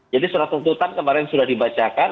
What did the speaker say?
jadi surat tuntutan kemarin sudah dibacakan